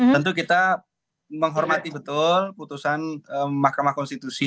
tentu kita menghormati betul putusan mahkamah konstitusi